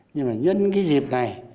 nhưng mà nhân cái dịp này